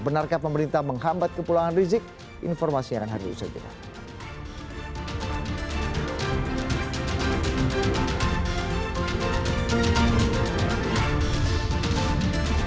benarkah pemerintah menghambat kepulauan rizik informasi yang akan kami ucapkan